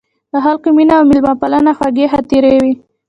د خلکو مینه او میلمه پالنه خوږې خاطرې وې.